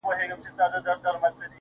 • شرجلال مي ته، په خپل جمال کي کړې بدل.